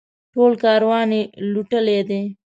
ټول کاروان یې لوټلی دی.